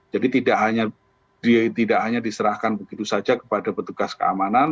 jadi tidak hanya diserahkan begitu saja kepada petugas keamanan